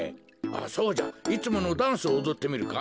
そうじゃいつものダンスをおどってみるか。